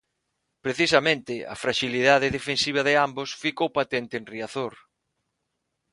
Precisamente, a fraxilidade defensiva de ambos ficou patente en Riazor.